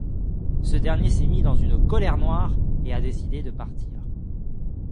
Ce dernier s'est mis dans une colère noire et a décidé de partir.